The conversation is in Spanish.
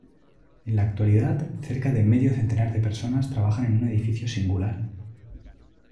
En la actualidad cerca de medio centenar de personas trabajan en un edificio singular.